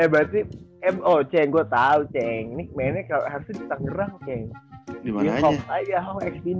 eh berarti eh oh ceng gue tau ceng ini mainnya harusnya di tanggerang keng